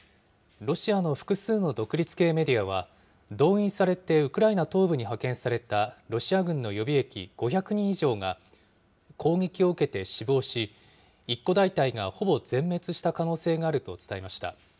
ロシアの複数の独立系メディアは、動員されてウクライナ東部に派遣されたロシア軍の予備役５００人以上が攻撃を受けて死亡し、一個大隊がほぼ全滅した可能性があると伝えました。